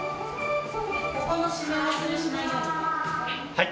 はい。